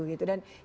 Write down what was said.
dan itu memang